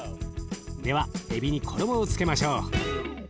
ではえびに衣をつけましょう。